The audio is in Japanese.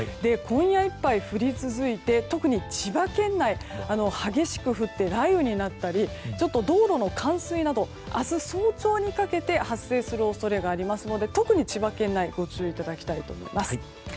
今夜いっぱい降り続いて特に千葉県内激しく降って雷雨になったり道路の冠水など明日早朝にかけて発生する恐れがありますので特に千葉県内はご注意いただきたいと思います。